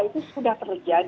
itu sudah terjadi